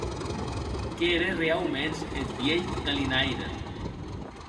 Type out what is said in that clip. Qu’ère reauments eth vielh galinaire.